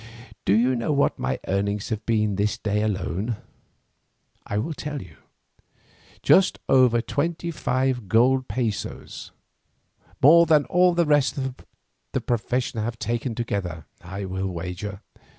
Do you know what my earnings have been this day alone? I will tell you; just over twenty five gold pesos, more than all the rest of the profession have taken together, I will wager.